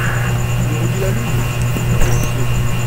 Il aurait dit la lune … le ferblantier !